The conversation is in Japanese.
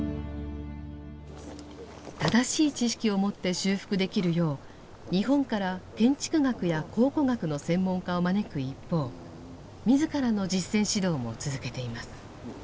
正しい知識を持って修復できるよう日本から建築学や考古学の専門家を招く一方自らの実践指導も続けています。